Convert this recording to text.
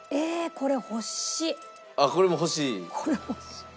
これ欲しい。